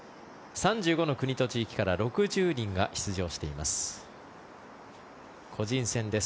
３５の国と地域から６０人が出場しています。